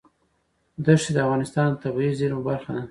دښتې د افغانستان د طبیعي زیرمو برخه ده.